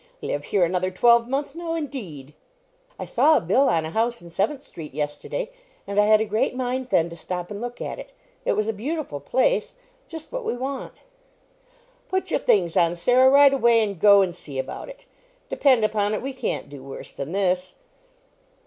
Live here another twelvemonth! No, indeed!" "I saw a bill on a house in Seventh street yesterday, and I had a great mind, then, to stop and look at it. It was a beautiful place, just what we want." "Put your things on, Sarah, right away, and go and see about it. Depend upon it, we can't do worse than this."